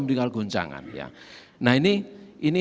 meninggal goncangan nah ini